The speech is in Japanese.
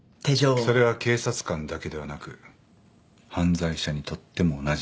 それは警察官だけではなく犯罪者にとっても同じだ。